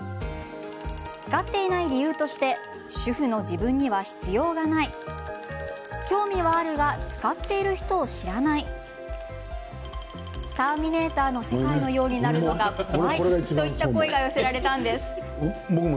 使っていない理由として主婦の自分には必要がない興味はあるが使っている人を知らない「ターミネーター」の世界のようになるのが怖いといった声が寄せられたんです。